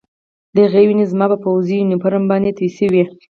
د هغه وینې زما په پوځي یونیفورم باندې تویې شوې